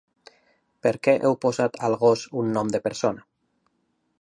Per què heu posat al gos un nom de persona?